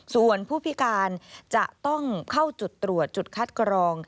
ส่วนผู้พิการจะต้องเข้าจุดตรวจจุดคัดกรอง